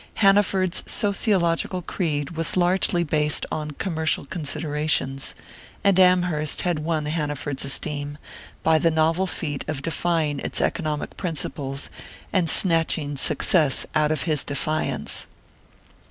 Hanaford's sociological creed was largely based on commercial considerations, and Amherst had won Hanaford's esteem by the novel feat of defying its economic principles and snatching success out of his defiance.